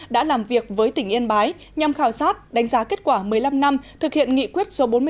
đã làm việc với tỉnh yên bái nhằm khảo sát đánh giá kết quả một mươi năm năm thực hiện nghị quyết số bốn mươi bốn